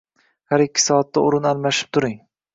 Har ikki soatda o‘rin almashib turing.